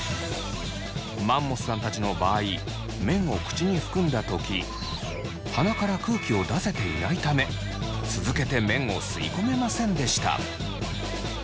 マンモスさんたちの場合麺を口に含んだ時鼻から空気を出せていないため続けて麺を吸い込めませんでした。